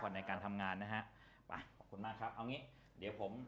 ในการทำงานนะฮะขอบคุณมากครับ